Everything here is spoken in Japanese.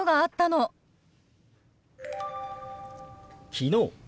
「昨日」。